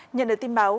nhận được tin báo